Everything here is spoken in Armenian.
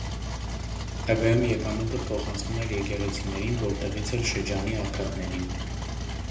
Հետագայում եկամուտը փոխանցվում էր եկեղեցիներին, որտեղից էլ՝ շրջանի աղքատներին։